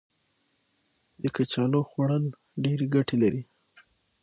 د پټاټو خوړل ډيري ګټي لري.